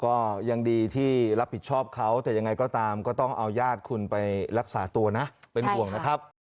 ก็ยังดีที่รับผิดชอบเขาแต่ยังไงก็ตามก็ต้องเอาญาติคุณไปรักษาตัวนะเป็นห่วงนะครับ